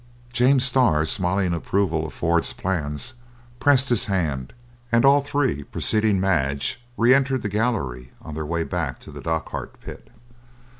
James Starr, smiling approval of Ford's plans, pressed his hand, and all three, preceding Madge, re entered the gallery, on their way back to the Dochart pit.